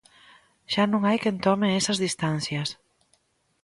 Xa non hai quen tome esas distancias.